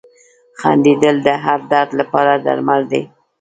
• خندېدل د هر درد لپاره درمل دي.